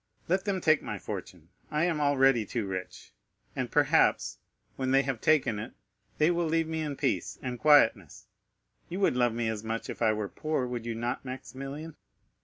Let them take my fortune, I am already too rich; and, perhaps, when they have taken it, they will leave me in peace and quietness. You would love me as much if I were poor, would you not, Maximilian?"